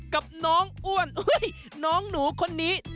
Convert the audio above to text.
กับน้องอ้วนน้องหนูคนนี้